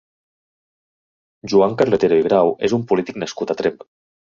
Joan Carretero i Grau és un polític nascut a Tremp.